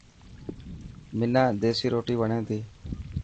حنان ديسي روٽي وڻي تي.